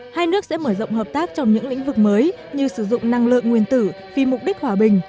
hai nước sẽ mở rộng hợp tác trong những lĩnh vực mới như sử dụng năng lượng nguyên tử vì mục đích hòa bình